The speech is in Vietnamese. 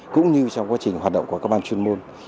cũng như trong quá trình hoạt động của các ban chuyên môn